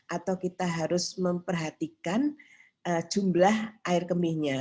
atau kita harus memperhatikan jumlah air kemihnya